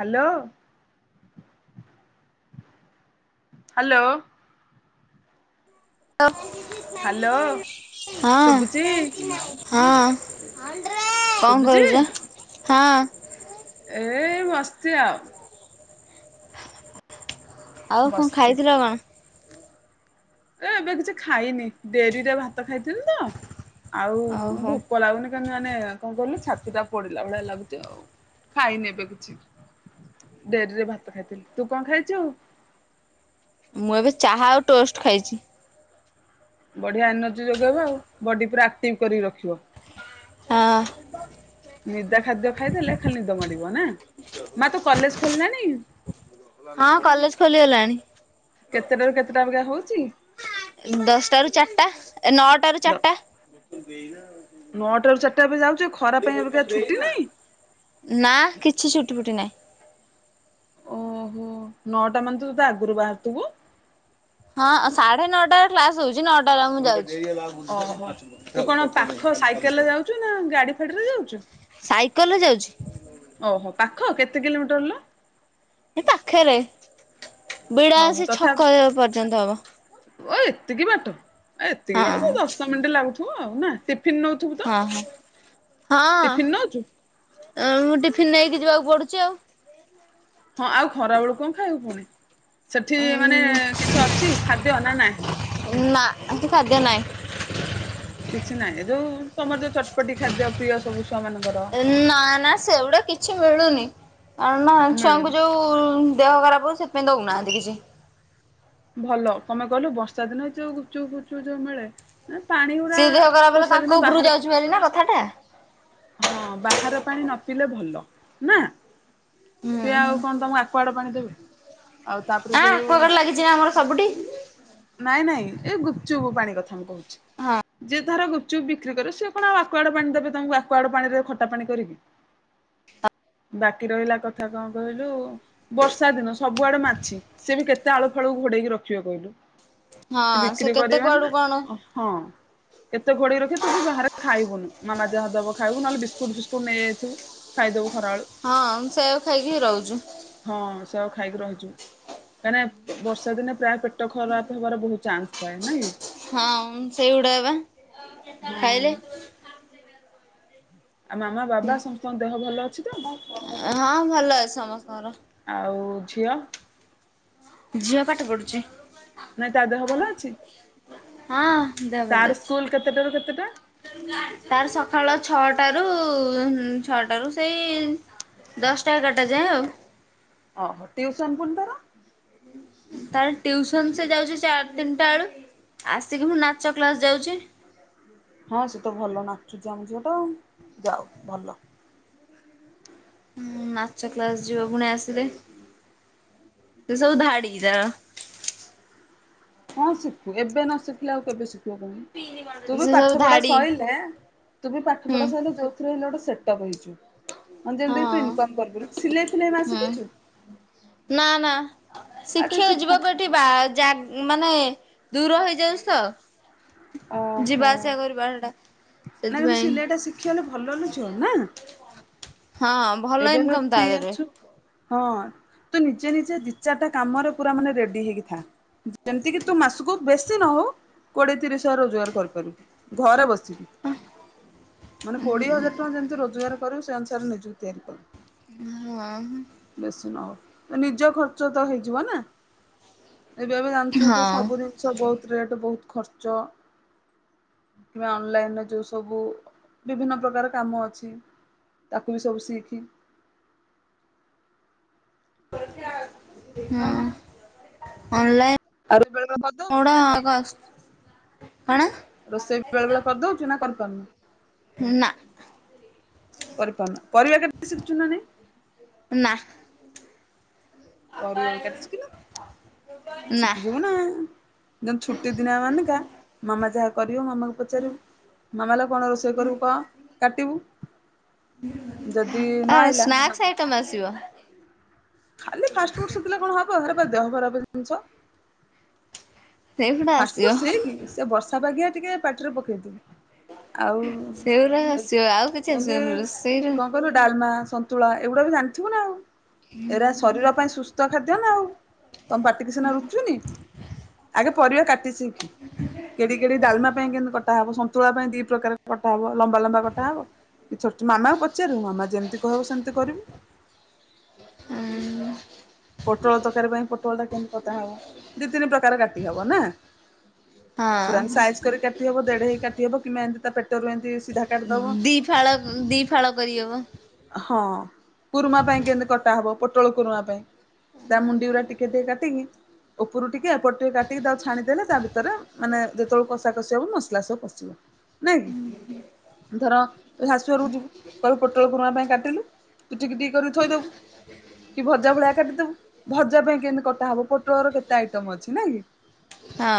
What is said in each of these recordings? Hello. Hello. ଅ hello ହଁ ଶୁବୁଚି ହଁ। କଁ ଶୁବୁଚି କରୁଚ? ହଁ। ଏଇ ବସଚି ଆଉ। ଆଉ କଁ ବସିଚି ଖାଇଥିଲ କଣ? ଏ ଏବେ କିଛି ଖାଇନି ଡେରିରେ ଭାତ ଖାଇଥିଲି ତ ଆଉ ଓହୋ ଭୋକ ଲାଗୁନି। ତେନ୍ ମାନେ କଁ କଇଲୁ ଛାତିଟା ପୋଡ଼ିଲା ଭଳିଆ ଲାଗୁଚି ଆଉ ଖାଇନି ଏବେ କିଛି। ଡେରିରେ ଭାତ ଖାଇଥିଲି। ତୁ କଁ ଖାଇଛୁ? ମୁଁ ଏବେ ଚାହା ଆଉ ଟୋଷ୍ଟ ଖାଇଚି। ବଢିଊଆ ଏନର୍ଜି ଯୋଗେଇବ ଆଉ ବଡ଼ି ପୁରା ଆକ୍ଟିଭ କରିକି ରଖିବ। ହଁ। ନିଦା ଖାଦ୍ୟ ଖାଇଦଲେ ଖାଲି ନିଦ ମାଡ଼ିବ, ନାଁ? ହଁ କଲେଜ୍ ଖୋଲିଗଲାଣି। କେତେଟାରୁ କେତେଟା ଅବିକା ହଉଚି? ଇ ଦଶଟାରୁ ଚାରଟା ନଅଟାରୁ ଚାରଟା। ନଅଟାରୁ ଚାରିଟା ଏବେ ଯାଉଚୁ ଏ ଖରାପ ପାଇଁ ଅବିକା ଛୁଟି ନାଇଁ? ନାଁ କିଛି ଛୁଟି ଫୁଟି ନାହିଁ। ଓହୋ ନଅଟା ମାନେ ତ ତତେ ଆଗୁରୁ ବାହାରଥୁବୁ? ହଁ ସାଢ଼େ ନଅଟାରେ କ୍ଲାସ୍ ହଉଚି ନଅଟାରେ ଆ ମୁଁ ଯାଉଚି। ଓହୋ ତୁ କଣ ପାଖ ସାଇକେଲ୍ ରେ ଯାଉଚୁ ନାଁ ଗାଡ଼ି ଫାଡି଼ରେ ଯାଉଚୁ? ସାଇକଲ ରେ ଯାଉଚି। ଓହୋ ପାଖ କେତେ କିଲୋମିଟର୍ ଲୋ? ଏ ପାଖରେ ବିଡା ଓହୋ ସେ ତଥାପି ଛକ ପର୍ଯ୍ୟନ୍ତ ହବ। ଓ ଏତିକି ବାଟ ଏତିକି ହଁ ବାଟ ତ ଦଶ ମିନିଟ ଲାଗୁଥିବ ଆଉ ନା ଟିଫିନ ନଉ ହଁ ହଁ ନଉଛୁ? ହଁ ଉ ଟିଫିନ ନେଇକି ଯିବାକୁ ପଡୁଚି ଆଉ। ହଁ ଆଉ ଖରାବେଳୁ କଣ ଖାଇବୁ ପୁଣି ସେଠି ମାନେ ଉଁ କିଛି ଅଛି ଖାଦ୍ୟ ନା ନାହିଁ? ନା ହେଟି ଖାଦ୍ୟ ନାଇଁ। କିଛି ନାଇଁ ଏ ଯୋଉ ତମର ଯୋଉ ଚଟପଟି ଖାଦ୍ୟ ପ୍ରିୟ ସବୁ ଛୁଆ ମାନଙ୍କର। ନା ନା ସେଉଡା କି ଛି ମିଳୁନି କାରଣ ନା ଛୁଆଙ୍କୁ ମିଳୁନି। ଯୋଉ ଦେହ ଖରାପ ହଉ ସେଥିପାଇଁ ଦଉନାହାନ୍ତି କିଛି। ଭଲ କମାଇ କହିଲ ବର୍ଷା ଦିନ ଯୋଉ ଗୁଚୁପ୍ ଫୁଚୁପ୍ ଯୋଉ ମିଳେ ପାଣି ଉଡା ସିଏ ଦେହ ଖରାପ ହେଲେ ବର୍ଷା ତାଙ୍କ ଦିନ ଉପରକୁ ବାହାରେ। ଯାଉଛି ଭାରି ନା କଥାଟା। ହଁ ବାହାର ପାଣି ନ ପିଇଲେ ଭଲ ନା। ହୁଁ ସିଏ ଆଉ କଣ ତମକୁ ଆକୁୁଆଡ ପାଣି ଦେବେ କି। ଆଁ ଆକୁଆଗାଡ ଲାଗିଚି ନା ଆମର ସବୁଠି। ନାଇଁ ନାଇଁ ଏ ଗୁପଚୁପ ପାଣି କଥା ମୁଁ କହୁଛି ହଁ। ଯେ ଧର ଗୁଚୁପ ବିକ୍ରି କରେ ସେ କଣ ଆଉ ଆକୁୁଆଡ ପାଣି ଦେବେ ତମକୁ ଆକୁଆଡ ପାଣି ରେ ଖଟା ପାଣି କରିକି। ବାକି ରହିଲା କଥା କଁ କହିଲୁ ବର୍ଷା ଦିନ ସବୁଆଡେ ମାଛି ସେ ବି କେତେ ଆଳୁ ଫାଳୁକୁ ଘୋଡେଇକି ରଖିବେ କହିଲୁ। ସେ ହଁ ବିକ୍ରି କେତେ କୁଆଡୁ କରିବେନା, କଣ ହଁ। କେତେ ଘୋଡେଇକି ରଖିଏ ତୁ ବି ବାହାରେ ଖାଇବୁନୁ ମାମା ଯାହା ଦବ ଖାଇବୁ ନହେଲେ ବିସ୍କୁଟ ଫିସ୍କୁଟ ନେଇଯାଇଥିବୁ। ଖାଇଦବୁ ଖରାଳୁ। ହଁ ମୁ ସେୟାକୁ ଖାଇକି ହିଁ ରହୁଛି। ହଁ ସେଆକୁ ଖାଇକି ରହିଯିବୁ କାହିଁକି ନା ବର୍ଷା ଦିନେ ପ୍ରାୟ ପେଟ ଖରାପ ହବାର ବହୁତ ଚାନ୍ସ ଥାଏ ନାଇଁ କି। ହଁ ସେଇଉଡା ବା ହଁ। ଖାଇଲେ। ଆଉ ମାମା ବାବା ସମସ୍ତଙ୍କ ଦେହ ଭଲ ଅଛି ତ? ହଁ ଭଲ ଅଛି ସମସ୍ତଙ୍କର। ଆଉ ଝିଅ। ଝିଅ ପାଠ ପଢ଼ୁଛି। ନାଇଁ ତା ଦେହ ଭଲ ଅଛି? ହଁ ଦେହ ତାର ଭଲ ସ୍କୁଲ କେତେଟାରୁ କେତେଟା ଅଛି। ତାର ସକାଳ ଛଅଟା ରୁ ଛଅଟା ରୁ ସେଇ ଦଶଟା ଏଗାରଟା ଯାଏଁ ଆଉ। ଓହୋ, ଟିଉସନ୍ ପୁଣି ତାର? ତାର ଟିଉସନ ସେ ଯାଉଛି ଚା ତିନିଟା ଏଳୁ। ଆସିକି ପୁଣି ନାଚ କ୍ଲାସ ଯାଉଛି। ହଁ ସେ ତ ଭଲ ନାଚୁଛି ଆମ ଝିଅଟା ଯାଉ ଭଲ। ଉଁ ନାଚ କ୍ଲାସ ଯିବ ପୁଣି ଆସିଲେ ତୁ ସବୁ ଧାଡି ତାର। ହଁ ଶିଖୁ ଏବେ ନ ଶିଖିଲେ ଆଉ କେବେ ଶିଖ ତୁ ବି ସେ ସବୁ ପାଠ ପଢା ଧାଡି ସଇଲେ ତୁ ବି ପାଠ ହୁଁ ପଢା ସଇଲେ ଯୋଉ ଜୋଉଥିରେ ହେଲେ ଗୋଟେ ସେଟପ ହେଇଯିବୁ, ଜେମତୀ କି ତୁ ହଁ ଇନ୍କମ୍ କରି ପାରିବୁ, ସିଲେଇ ଫିଲେଇ ମା ହୁଁ ସିକିଚୁ? ନା ନା ଶିଖିଆକୁ ଶିଖୁ ଯିବାକୁ ବା ଯା ମାନେ ଦୂର ହେଇଯାଉଛି ତ। ଯିବା ଆସିବା କରିବା ଟା। ନାଇ ମୁୁ ସିଲେଇ ଟା ଶିଖିଗଲେ ଭଲ ଲୋ ଝୀଅ ନା। ହଁ ଭଲ ଏବେ ଏବେ ଇନକମ ତା ଫ୍ରି ଦେହରେ। ଅଛୁ ହଁ ତୁ ନିଜେ ନିଜେ ଦି ଚାରିଟା କାମରେ ପୁରା ମାନେ ରେଡି ହେଇକି ଥା। ଯେମିତି କିି ତୁ ମାସକୁ ବେଶୀ ନହଉ କୋଡିଏ ତିରିଶ ହଜାର ରୋଜଗାର କରିପାରିବୁ। ଘରେ ବସିକି। ମାନେ କୋଡିଏ ହଜାର ଟଙ୍କା ଯେମିତି ରୋଜଗାର କରିବୁ ସେ ଅନୁସାରେ ନିଜକୁ ତିଆରି କର। ହଁ। ବେଶୀ ନହଉ ତ ନିଜ ଖର୍ଚ୍ଚ ତ ହେଇଯିବ ନା? ଏବେ ଏବେ ଜାଣିଛୁ ତ ହଁ ସବୁ ଜିନିଷ ବହୁତ ରେଟ ବହୁତ ଖର୍ଚ୍ଚ। କିବା ଅନଲାଇନରେ ଯୋଉ ସବୁ ବିଭିନ୍ନ ପ୍ରକାର କାମ ଅଛି। ତାକୁ ବି ସବୁ ସିଖି। ହ ଅନଲାଇନ୍ ଆଉ ବେଳେ ବେଳେ କରିଦଉଛୁ ନା ନାଇଁ କାମ ଗୁଡା କଣ? ରୋଷେଇ ବି ବେଳେ ବେଳେ କରି ଦଉଛୁ ନା କରିପାରୁନୁ? ନା। କରିପପାରୁନୁ ପରିବା କାଟି ଶିଖିଚୁ ନା ନାହିଁ। ନା। ପରିବା ବି କାଟି ଶିଖିନ ଶିକି ଯିବୁ ନା? ଯେମିତି ଛୁଟି ଦିନ ମାନେକା ମାମା ଯାହା କରିବ ମାମାଙ୍କୁ ପଚାରିବୁ? ମାମାଲୋ କଣ ରୋଷେଇ କରିବୁ କଣ କାଟିବୁ? ଯଦି ନ ଆଇଲା ଉତମ ଆସିବ। ଖାଲି ଫାଷ୍ଟଫୁଡ ଶିଖିଲେ କଣ ହବ ହେରା ପା ଦେହ ଖରାପ ଜିନିଷ। ସେଗୁଡା ଫାଷ୍ଟଫୁଡ ଆସିବ ସିକି ସେ ବର୍ଷା ପାଗିଆ ଟିକେ ପାଟିରେ ପକେଇଦେ। ଆଉ ସେଗୁଡା ଆସିବ ଆଉ କିଛି ଯେମିତି ଆସିବନି ରୋଷେଇର କଣ? ଧର ଡାଲମା ସନ୍ତୁଳା ଏଗୁଡା ବି ଜାଣିଥିବ ନା ଆଉ ଏରା ଶରୀର ପାଇଁ ସୁସ୍ଥ ଖାଦ୍ୟ ନା ଆଉ ତମ ପାଟିକି ସିନା ରୁଚୁନି। ଆଗେ ପରିବା କାଟି ଶିଖ କେମିତି କେମିତି ଡାଲମା ପାଇଁ କେମିତି କଟା ହବ? ତୁଳା ପାଇଁ ଦି ପ୍ରକାର କଟା ହବ ଲମ୍ବା ଲମ୍ବା କଟା ହବ। କି ମାମାକୁ ପଚାରିବୁ ମାମା ଯେମିତି କହିବ ସେମିତି କରିବୁ। ହୁଁ। ପୋଟଳ ତରକାରୀ ପାଇଁ ପୋଟଳଟା କେମତି କଟା ହବ ଦି ତିନି ପ୍ରକାର କାଟି ହବ ନା? ପୁରା ହଁ ସାଇଜ୍ କରି କାଟି ହବ ଦେଢ ହେଇ କାଟି ହବ କି ଏମତି ପେଟରୁ ଏମତି ସିଧା କାଟିଦବ। ଦି ଫାଳ ଦି ଫାଳ କରିହବ। ହଁ କୁରୁମା ପାଇଁ କେମତି କଟା ହବ ପୋଟଳ କୁରୁମା ପାଇଁ? ତା ମୁଣ୍ଡିଗୁରା ଟିକେ ଟିକେ ଏକାତି କାଟିକି। ଉପରୁ ଟିକେ ଏପଟ ଟିକେ କାଟିକି ତାକୁ ଛାଣି ଦେଲେ ତା ଭିତରେ ମାନେ ଯେତେବେଳେ କଷା କଷିବ ମସଲା ସବୁ ପଶିବ। ଯିବା। ନାଇଁ କି ଧର ତୁ ଶାଶୁ ଘରକୁ ଯିବୁ କହି ପୋଟଳ କୁରୁମା ପାଇଁ କାଟିଲୁ? ତୁ ଟିକ ଟିକ କରିକି ଥୋଇଦବୁ କି ଭଜା ଭଳିଆ କାଟିଦବୁ। ଭଜା ପାଇଁ କେମିତି କଟା ହବ ପୋଟଳର କେତେ ଆଇଟମ ଅଛି ନା କି? ହଁ।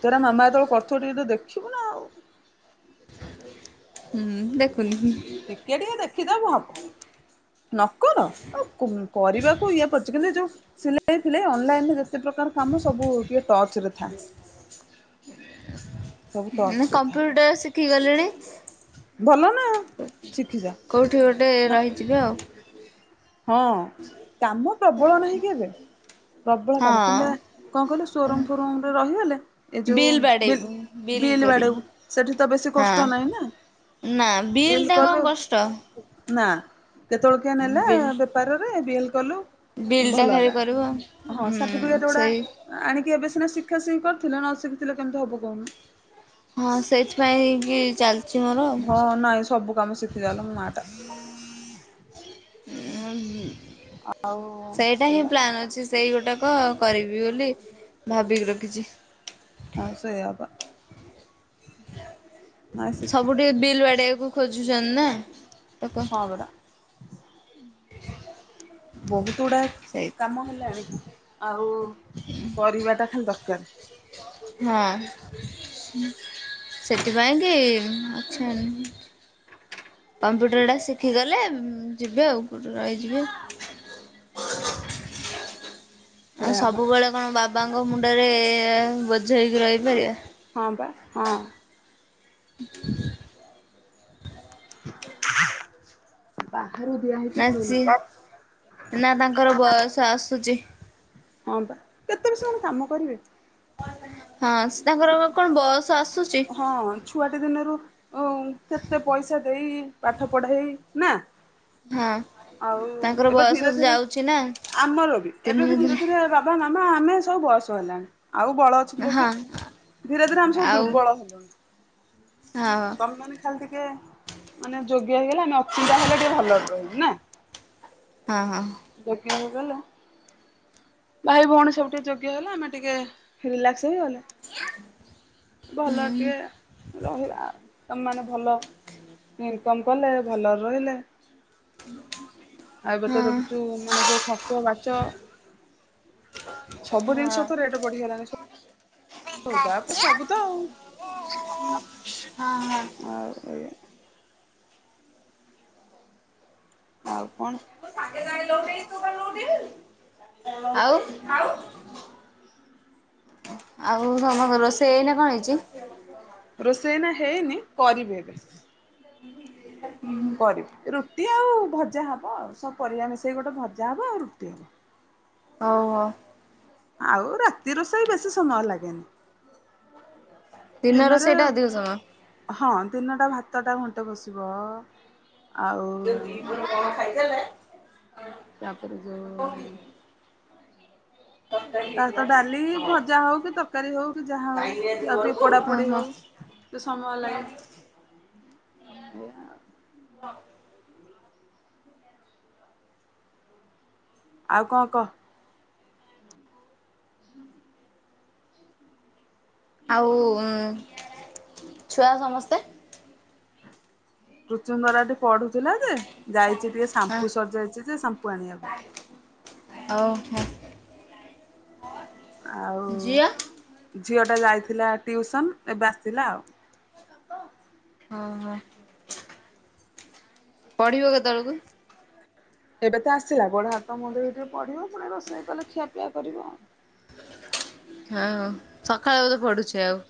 ତୁ ହେରା ମାମା ଯେତେବେଳେ କରୁଥିବ ଟିକେ ତ ଦେଖିବୁ ନା ଆଉ,? ହୁଁ ଦେଖୁନି। ଟିକେ ଟିକେ ଦେଖିଦବୁ ହବ ନ ନକର କଣ ଆଉ କରିବାକୁ ଇଏ ପଡିଚ କିନ୍ତୁ ଯୋଉ ଥିଲେ ଅନଲାଇନ ଯେତେ ପ୍ରକାର କାମ ସବୁ ଟିକେ ଟଚରେ ଥାଏ। ସବୁ ଟଚ ମୁଁ ରେ ଥା କମ୍ପ୍ୟୁଟର ଶିଖିଗଳିଣି। ଭଲ ନା ଶିଖିଜା। କେଉଠି ଗୋଟେ ରହିଯିବେ ଆଉ। ହଁ କାମ ପ୍ରବଳ ନାହିଁ କି ଏବେ ପ୍ରବଳ କାମ କିମ୍ବା ହଁ କଣ କହିଲୁ ସୋରୁମ ଫୋରୁମ ରେ ରହିଗଲେ ଏ ଯୋଉ ବିଲ୍ ବାଡ଼େଇବୁ ବିଲ ବିଲ୍ ବିଲ କରିବୁ ବାଡେଇବୁ ସେଠି ତ ବେଶୀ କଷ୍ଟ ନାହିଁ ହଁ ନା। ନା ବିଲ୍ ବିଲଟା କଣ କଲୁ କଷ୍ଟ? ନା କେତେବେଳ କିମ ନେଲା ବିଲ୍ ବେପାରରେ ବିଲ କଲୁ ବିଲ୍ ଟା ଭଲ ଖାଲି ହେଲା, କରିବ ହଁ ହୁଁ ସାର୍ଟିଫିକେଟଗୁଡା ସେଇ ଆଣିକି ଏବେ ସିନା ଶିଖା ଶିଖି କରିଥିଲେ ନ ଶିଖିଥିଲେ କେମିତି ହବ କହୁନୁ? ହଁ ସେଇଥିପାଇଁ କି ଚାଲ ହଁ ନାଇଁ ସବୁ କାମ ଶିଖି ଜାଲୋ ମୋ ମା ଟା। ଉଁହୁଁ ଆଉ ସେଇଟା ହିଁ ଏଇଆ ପ୍ଲାନ୍ କଥା। ଅଛି। ସେ ସେଇଗୋଟାକ କରିବି ବୋଲି ଭାବିକି ରଖିଛି। ଆଉ ସେଇଆବା। ନାଇଁ ସବୁ ଶିଖିଥା ଟିକେ ବିଲ୍ ବାଡେଇବାକୁ ଖୋଜୁଛନ୍ତି ନା, ତୋକ ହଁ ପରା ବହୁତ ଗୁଡ଼ା ସେଇ କାମ ହେଲାଣି ଆଉ କରିବାଟା ଖାଲି ଦରକାର। ହଁ। ସେଥିପାଇଁ କି ଅଛି ଏମ କମ୍ପ୍ୟୁଟରଟା ଶିଖିଗଲେ ଯିବେ ଆଉ କୋଉଠି ରହିଯିବେ। ଆଉ ସେଇଆ ପା। ସବୁବେଳେ କଣ ବାବାଙ୍କ ମୁଣ୍ଡରେ ବୋଝ ହେଇକି ରହିପାରିବା? ହଁ ବା ହଁ। ହଁ ବାହାରୁ ଦିଆହେଇଛି ନା ଫୋନ୍। ସିଏ ନା ତାଙ୍କର ବୟସ ଆସୁଛି। ହଁ ବା କେତେ ବି ସେମାନେ କାମ କରିବେ? ହଁ ତାଙ୍କର କଣ ବୟସ ଆସୁଛି। ହଁ ଛୁଆଟି ଦିନରୁ ଓ କେତେ ପଇସା ଦେଇ ପାଠ ପଢେଇ ନା ହଁ ଆଉ ତାଙ୍କର ଏବେ ବୟସ ଧୀରେ ଧୀରେ ଯାଉଛି ନା ଆମର ବି ତିନି ଏବେ ବି ଧୀରେ ଦିନରେ ଧୀରେ ବାବା ମାମା ଆମେ ସବୁ ବୟସ ହେଲାଣି ଆଉ ବଳ ଅଛି ଯେ ହଁ ଧୀରେ ଧୀରେ ଆମେ ସବୁ ଆଉ ଦୁର୍ବଳ। ହେଲୁଣି। ହଁ ଅ। ଆ ମାନେ ଖାଲି ଟିକେ ମାନେ ଯୋଗ୍ୟ ହେଇଗଲେ ଆମେ ଅଚିନ୍ତା ହେଲେ ଟିକେ ଭଲ ରହିବୁ ନା? ହଁ ହଁ। ଗୋଟେ ହେଇଗଲା ଭାଇ ଭଉଣୀ ସବୁ ଟିକେ ଯୋଗ୍ୟ ହେଲା ଆମେ ଟିକେ ରିଲାକ୍ସ ହେଇଗଲେ। ଭଲ ହୁଁ ଟିଏ ରହିବା ତମେ ମାନେ ଭଲ ଇନକମ କଲେ ଭଲରେ ରହିଲେ ଉଁ ହୁଁ। ଆଉ ଏବେ ତ ଦେଖୁଛୁ ମାନେ ଯୋଉ ଖର୍ଚ୍ଚ ବାଚ ସବୁ ହଁ ଜିନିଷ ତ ରେଟ୍ ବଢିଗଲାଣି ସ ହଉ ତାପରେ ସବୁ ତ ଆଉ, ହଁ ହଁ ଆଉ ଏ ଆଉ କଣ? [inaudible] ଆଉ ତମ ରୋଷେଇ ଏଇନା କଣ ହେଇଚି? ରୋଷେଇ ଏଇନା ହେଇନି କରିବି ଏବେ। ହ କରିବି ରୁଟ୍ ରୁଟି ଆଉ ଭଜା ହବ ଆଉ ସବୁ ପରିବା ମିଶେଇ ଗୋଟେ ଭଜା ହବ ଆଉ ରୁଟି ହବ। ହଉ- ହଉ। ଆଉ ରାତି ରୋଷେଇ ବେଶୀ ସମୟ ଲାଗେନି। ଦିନ ଦିନରେ ରୋଷେଇଟା ଅଧିକ ସମୟ ହଁ ଦିନଟା ଭାତଟା ଘଣ୍ଟେ ବସିବ ଆଉ କଣ ଖାଇଥିଲେ? ତାପରେ ଯଉ ତାସହିତ ଡାଲି, ଭଜା ହଉ କି ତରକାରୀ ହଉ କି ଯାହା ହଉ କି ଆଉ ଟିକେ ପୋଡାପୋଡି ଓହୋ ହଉ। ତ ସମୟ ଲାଗେ ଏଇଆ ଆଉ। [inaudible] ଆଉ କଣ କହ୍? ଆଉ ଛୁଆ ସମସ୍ତେ? ରୁଚୁନ୍ଦରା ଟି ପଢୁଥିଲା ଯେ ଯାଇଚି ଟିକେ ହଁ ସାମ୍ପୁ ସରିଯାଇଚି ଯେ ସାମ୍ପୁ ଆଣିବାକୁ। ଓହୋ। ଆଉ ଝିଅ ଟା ଯାଇଥିଲା ଟିଉସନ୍ ଏବେ ଆସିଲା ଆଉ। ଓହୋ। ପଢିବ କେତେବେଳକୁ? ଏବେ ତ ଆସିଲା ଗୋଡ ହାତ ମୁହଁ ଧୋଇହେଇ ଟିକେ ପଢିବ ପୁଣି ରୋଷେଇ କଲେ ଖିଆପିଆ କରିବ ଆଉ। ହଁ ସକାଳେ ବଧେ ପଢୁଚି ଆଉ।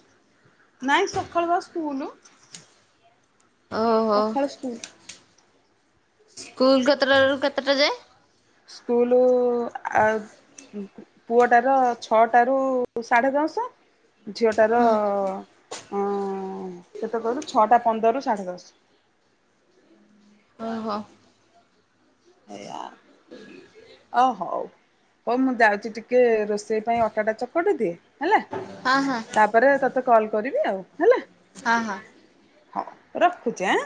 ନାଇଁ ସକାଳୁ ବା ସ୍କୁଲୁ। ଓହୋ ସଖାଳୁ ସ୍କୁଲ୍। ସ୍କୁଲ କେତେଟା ରୁ କେତେଟା ଯାଏଁ? ସ୍କୁଲୁ ଆ ପୁଅଟାର ଛଅଟା ରୁ ସାଢେ ଦଶ ଝିଅଟାର ହଁ ଅଁ -କେତେ କହିଲୁ ଛଅଟା ପନ୍ଦରରୁୁ ସାଢ଼େ ଦଶ୍। ଓହୋ। ଏଇଆ ଓ ହଉ। ହଉ ମୁଁ ଯାଉଚି ଟିକେ ରୋଷେଇ ପାଇଁ ଅଟାଟା ଚକଟି ଦିଏ ହେଲା। ହଁ- ହଁ। ତାପରେ ତତେ କଲ୍ କରିବି ଆଉ ହେଲା। ହଁ- ହଁ। ହଁ ରଖୁଚି ଆଁ।